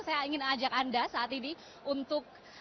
saya ingin ajak anda saat ini untuk